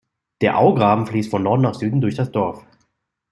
Der Augraben fließt von Norden nach Süden durch das Dorf.